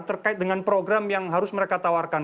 terkait dengan program yang harus mereka tawarkan